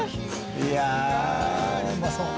いやあうまそう！